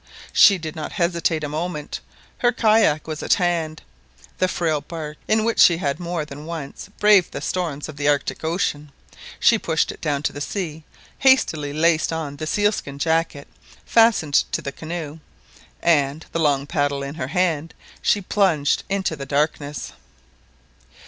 She did not hesitate a moment, her kayak was at hand, the frail bark in which she had more than once braved the storms of the Arctic Ocean, she pushed it down to the sea, hastily laced on the sealskin jacket fastened to the canoe, and, the long paddle in her hand, she plunged into the darkness.